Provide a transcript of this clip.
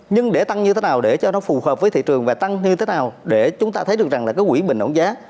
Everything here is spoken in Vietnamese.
nhưng để tăng như thế nào để cho nó phù hợp với thị trường và tăng như thế nào để chúng ta thấy được rằng là cái quỹ bình ổn giá